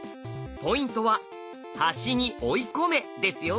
ポイントは「端に追い込め」ですよ。